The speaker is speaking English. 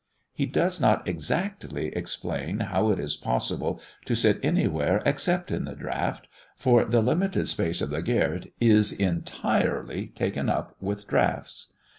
He does not exactly explain how it is possible to sit anywhere except in the draught, for the limited space of the garret is entirely taken up with draughts.